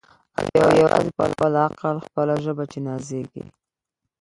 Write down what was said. او یوازي په خپل عقل خپله ژبه چي نازیږي